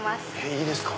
いいですか。